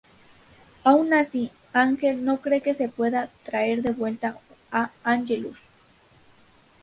Aun así Ángel no cree que se pueda traer de vuelta a Angelus.